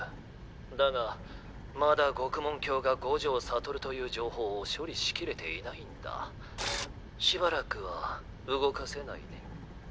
だがまだ獄門疆が五条悟という情報を処理しきれていないんだ。しばらくは動かせないね。